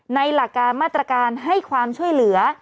หลักการมาตรการให้ความช่วยเหลือ